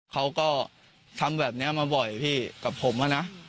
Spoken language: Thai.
เขาก็ทำแบบนี้มาบ่อยพี่กับผมนะ